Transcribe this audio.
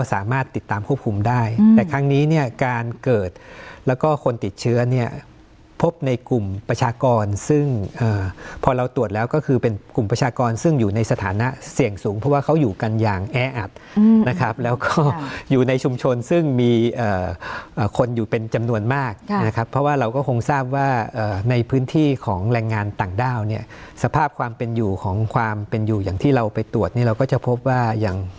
สามารถติดตามควบคุมได้แต่ครั้งนี้เนี่ยการเกิดแล้วก็คนติดเชื้อเนี่ยพบในกลุ่มประชากรซึ่งพอเราตรวจแล้วก็คือเป็นกลุ่มประชากรซึ่งอยู่ในสถานะเสี่ยงสูงเพราะว่าเขาอยู่กันอย่างแอบนะครับแล้วก็อยู่ในชุมชนซึ่งมีคนอยู่เป็นจำนวนมากนะครับเพราะว่าเราก็คงทราบว่าในพื้นที่ของแรงงานต่างด้าวเนี่ย